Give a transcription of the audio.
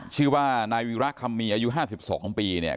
ชื่อว่านายวิรักษ์คำมีอายุห้าสิบสองค่ำปีเนี่ย